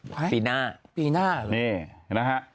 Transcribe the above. ปีหน้าปีหน้าเลย